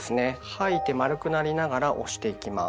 吐いて丸くなりながら押していきます。